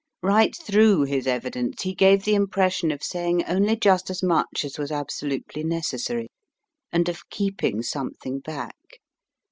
Right through his evidence he gave the impression of saying only just as much as was absolutely necessary, and of keeping something back.